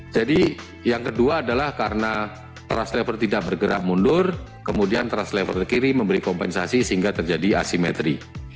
jadi yang kedua adalah karena thrust lever tidak bergerak mundur kemudian thrust lever kiri memberi kompensasi sehingga terjadi asimetri